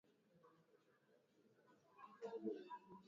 naam asante sana kocha bonifas mkwasa kwa utathimini huo